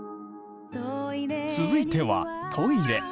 続いてはトイレ。